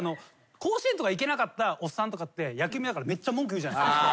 甲子園とか行けなかったおっさんとかって野球見ながらめっちゃ文句言うじゃないですか。